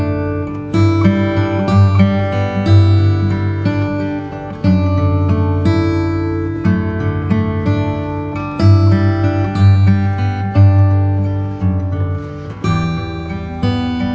aku gak sanggup kalau aku harus kehilangan elsa dengan cara yang seperti ini